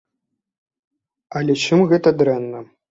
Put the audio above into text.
Але чым гэта дрэнна?